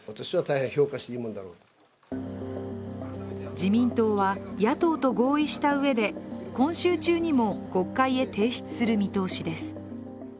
自民党は、野党と合意したうえで今週中にも国会へ提出する見通しです。